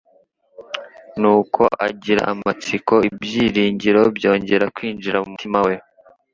Nuko agira amatsiko, ibyiringiro byongera kwinjira mu mutima we.